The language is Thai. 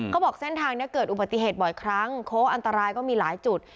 บอกเส้นทางนี้เกิดอุบัติเหตุบ่อยครั้งโค้งอันตรายก็มีหลายจุด